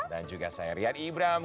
dan juga saya rian ibram